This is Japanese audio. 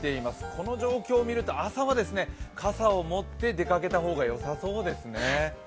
この状況を見ると朝は傘を持って出かけた方がよさそうですね。